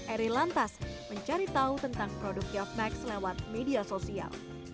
eri lantas mencari tahu tentang produk kiofmax lewat media sosial